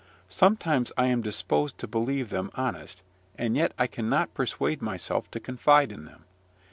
Sometimes I am disposed to believe them honest, and yet I cannot persuade myself to confide in them.